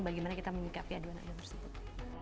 bagaimana kita memikirkan aduan yang harus ditutup